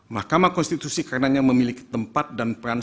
mahkamah konstitusi karenanya memiliki tempat dan peran